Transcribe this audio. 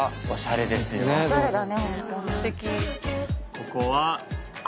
ここは。え！